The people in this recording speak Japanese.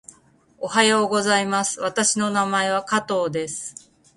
おはようございます。私の名前は加藤です。